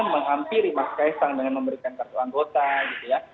menghampiri mas kaisang dengan memberikan kartu anggota gitu ya